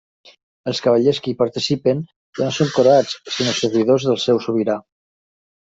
Els cavallers que hi participen ja no són croats sinó servidors del seu sobirà.